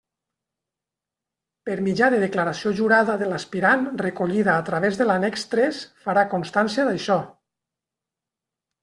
Per mitjà de declaració jurada de l'aspirant recollida a través de l'annex tres, farà constància d'això.